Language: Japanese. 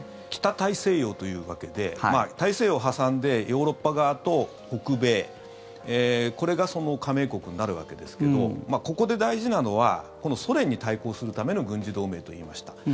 北大西洋というわけで大西洋を挟んでヨーロッパ側と北米これが加盟国になるわけですけどここで大事なのはこのソ連に対抗するための軍事同盟と言いました。